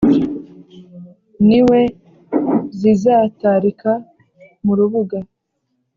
Niwe zizatarika mu rubuga !